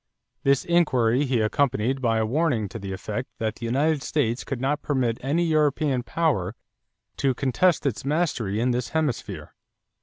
This inquiry he accompanied by a warning to the effect that the United States could not permit any European power to contest its mastery in this hemisphere.